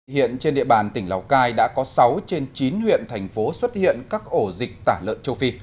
hiện trên địa bàn tỉnh lào cai đã có sáu trên chín huyện thành phố xuất hiện các ổ dịch tả lợn châu phi